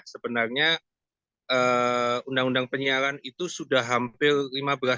sebenarnya undang undang penyiaran itu sudah hampir